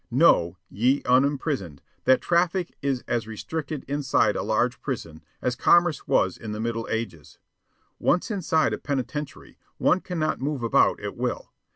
Know, ye unimprisoned, that traffic is as restricted inside a large prison as commerce was in the Middle Ages. Once inside a penitentiary, one cannot move about at will.